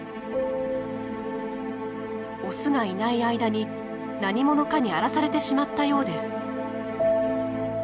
オスがいない間に何者かに荒らされてしまったようです。